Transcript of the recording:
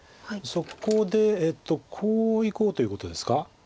そこでこういこうということですか。